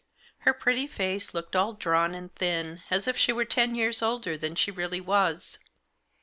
Her pretty face looked all drawn and thin, as if she were ten years older than she really was.